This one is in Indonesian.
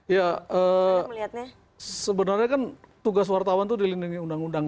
ya sebenarnya kan tugas wartawan itu dilindungi undang undang